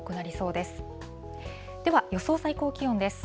では、予想最高気温です。